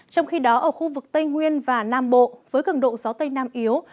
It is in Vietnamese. trong khi đó ở khu vực tây nguyên và nam bộ với cường độ gió tây nam yếu